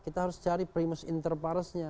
kita harus cari primus inter pares nya